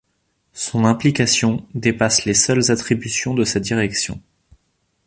Son implication dépasse les seules attributions de sa Direction.